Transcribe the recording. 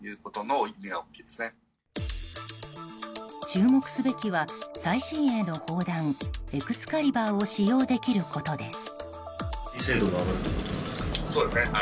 注目すべきは最新鋭の砲弾エクスカリバーを使用できることです。